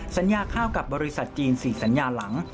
สัญญาข้าวกับบริษัทจีน๔สัญญาหลัง